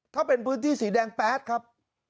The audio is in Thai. ถ้าเป็นพื้นที่สีแดงแป๊ดครับ